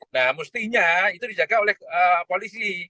nah mestinya itu dijaga oleh polisi